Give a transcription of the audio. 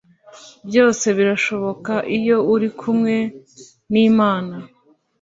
Byose birashoboka iyo uri kumwe n’ imana